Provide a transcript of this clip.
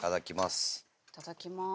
いただきます。